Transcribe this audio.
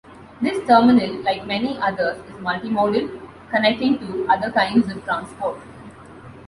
This terminal, like many others, is multimodal, connecting to other kinds of transport.